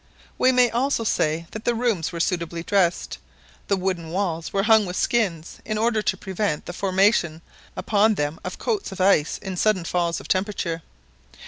We may also say that the rooms were suitably dressed; the wooden walls were hung with skins, in order to prevent the formation upon them of coats of ice in sudden falls of temperature.